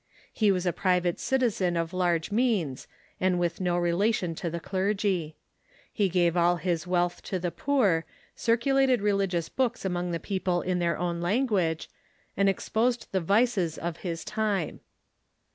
He was a private citizen of large means, and with no relation to the clergy. He gave all his Avealth to the poor, circulated religious books among the jicople in their own language, and exposed the vices of his time.